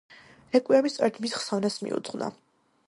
რეკვიემი სწორედ მის ხსოვნას მიუძღვნა.